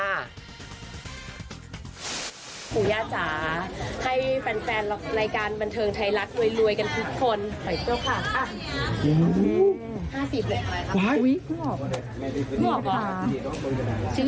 อันนี้ก็ดี